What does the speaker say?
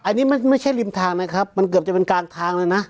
อันนี้ไม่ใช่ริมทางนะครับมันเกือบจะเป็นกลางทางเลยนะ